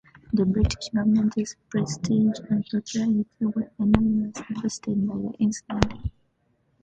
The British government's prestige and popularity were enormously boosted by the incident.